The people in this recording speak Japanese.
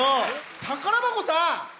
宝箱さん！